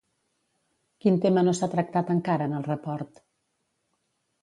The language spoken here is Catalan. Quin tema no s'ha tractat encara en el report?